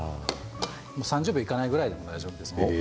３０秒いかないくらいでも大丈夫です。